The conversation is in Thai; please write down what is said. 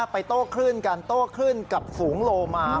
ไปโต๊ะขึ้นกันโต๊ะขึ้นกับฝูงโลมา